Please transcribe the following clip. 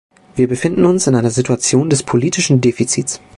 Wir befinden uns in einer Situation des politischen Defizits.